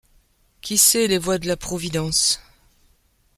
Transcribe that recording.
Qui sait les voies de la providence ?